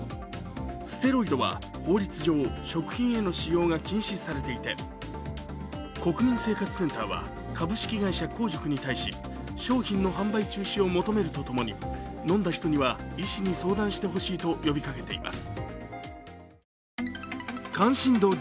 ステロイドは法律上、食品への使用が禁止されていて国民生活センターは株式会社香塾に対し商品の販売中止を求めるとともに飲んだ人には医師に相談してほしいど呼びかけています。